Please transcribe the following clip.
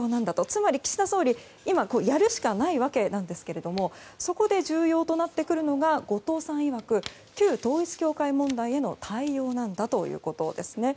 つまり岸田総理、今やるしかないわけなんですけどそこで、重要となってくるのが後藤さんいわく旧統一教会問題への対応だということなんです。